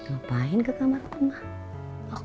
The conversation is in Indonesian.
apa yang kamu lakukan ke kamar bapak